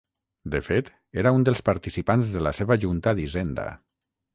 De fet era un dels participants de la seva Junta d'Hisenda.